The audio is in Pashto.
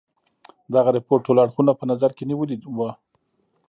دغه رپوټ ټول اړخونه په نظر کې نیولي وه.